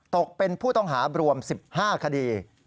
ตกเป็นผู้ต้องหารวม๑๕คดี